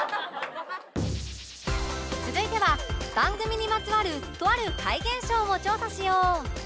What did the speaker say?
続いては番組にまつわるとある怪現象を調査しよう